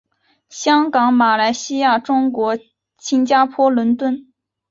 香港马来西亚中国新加坡伦敦